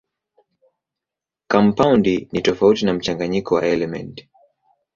Kampaundi ni tofauti na mchanganyiko wa elementi.